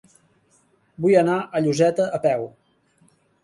Vull anar a Lloseta a peu.